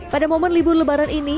pada momen libur lebaran ini